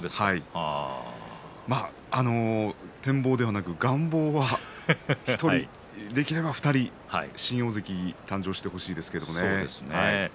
展望ではなく願望は１人、２人、新大関が誕生してほしいですね。